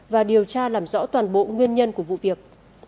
và điều tra làm rõ toàn bộ nguyên nhân của vụ việc